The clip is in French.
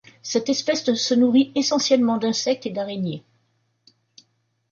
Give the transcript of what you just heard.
Cette espèce se nourrit essentiellement d’insectes et d’araignées.